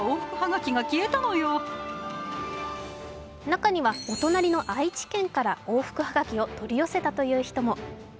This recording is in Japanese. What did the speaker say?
中にはお隣の愛知県から往復はがきを取り寄せたという人も。